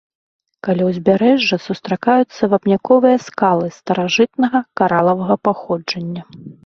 Каля ўзбярэжжа сустракаюцца вапняковыя скалы старажытнага каралавага паходжання.